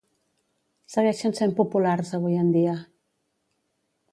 Segueixen sent populars avui en dia.